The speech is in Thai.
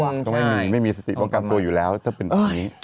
ต้องไม่มีสติป้องกันตัวอยู่แล้วถ้าเป็นแบบนี้